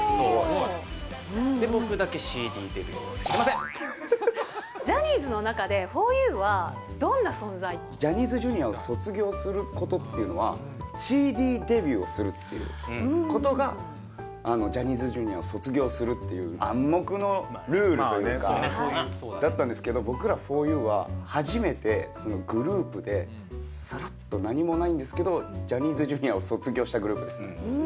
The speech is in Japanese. で、僕だけＣＤデビューしてませジャニーズの中でふぉゆジャニーズＪｒ．を卒業することっていうのは、ＣＤデビューをするっていうことがジャニーズＪｒ．を卒業するっていう暗黙のルールだったんですけど、僕らふぉゆは初めて、グループで、さらっと何もないんですけど、ジャニーズＪｒ．を卒業したグループですね。